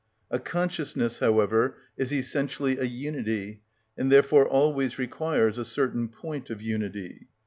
A consciousness, however, is essentially a unity, and therefore always requires a central point of unity.